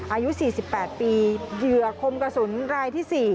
อายุ๔๘ปีเหยื่อคมกระสุนรายที่๔